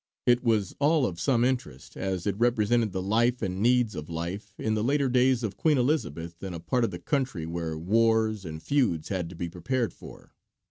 It was all of some interest, as it represented the life and needs of life in the later days of Queen Elizabeth in a part of the country where wars and feuds had to be prepared for.